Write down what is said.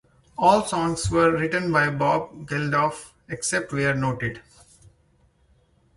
All songs were written by Bob Geldof, except where noted.